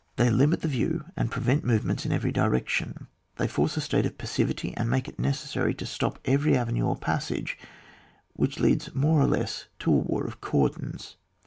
They limit the view and prevent movements in every direc tion ; they force a state of passivity, and make it necessary to stop every avenue or passage, which always leads more or less to a war of cordons.